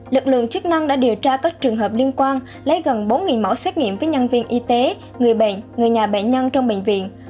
lực lượng chức năng đã điều tra các trường hợp liên quan lấy gần bốn mẫu xét nghiệm với nhân viên y tế người bệnh người nhà bệnh nhân trong bệnh viện